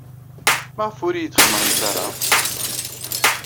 Maɣef ur iyi-d-txemmremt ara?